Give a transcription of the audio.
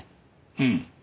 うん。